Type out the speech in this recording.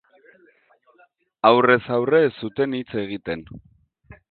Aurrez-aurre ez zuten hitz egiten.